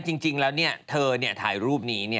จริงแล้วเธอถ่ายรูปนี้